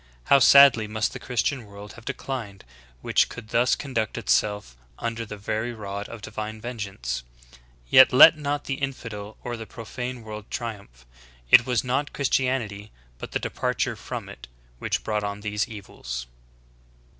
How sad ly must the Christian world have declined which could thus conduct itself under the very rod of divine vengeance ? Yet let not the infidel or the profane world triumph. It was not Christianity, hut the departure from it, which brought on these evils."